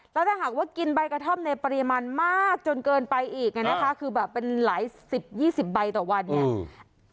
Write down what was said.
แล้วถ้าหากว่ากินใบกระท่อมในปริมาณมากจนเกินไปอีกอ่ะนะคะคือแบบเป็นหลายสิบยี่สิบใบต่อวันเนี่ย